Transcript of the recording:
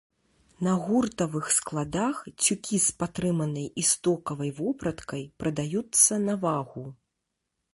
На гуртавых складах цюкі з патрыманай і стокавай вопраткай прадаюцца на вагу.